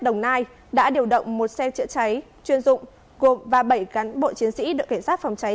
đồng nai đã điều động một xe chữa cháy chuyên dụng gồm và bảy cán bộ chiến sĩ đội cảnh sát phòng cháy